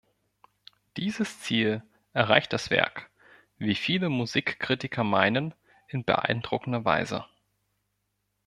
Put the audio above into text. Dieses Ziel erreicht das Werk, wie viele Musikkritiker meinen, in beeindruckender Weise.